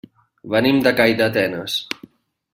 Venim de Calldetenes.